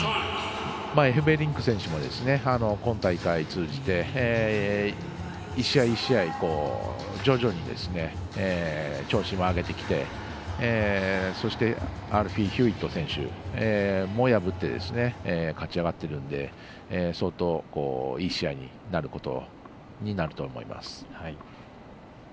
エフベリンク選手も今大会通じて１試合１試合、徐々に調子を上げてきてそして、アルフィー・ヒューウェット選手も破って勝ち上がってるので相当いい試合になることになると思います。